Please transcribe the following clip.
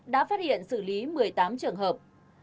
đã phát hiện xử lý một mươi tám trường hợp